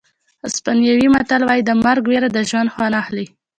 اسپانوي متل وایي د مرګ وېره د ژوند خوند اخلي.